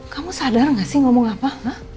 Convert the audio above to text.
kamu sadar enggak sih ngomong apa